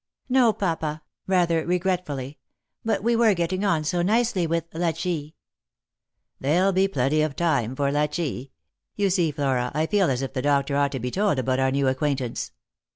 " No, papa," rather regretfully ;" but we were getting on so nicely with ' La ci.' "" There'll be plenty ot time for ' La ci.' You see, Flora, I feel as if the doctor ought to be told about our new acquaintance."